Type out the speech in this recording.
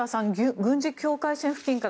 軍事境界線付近から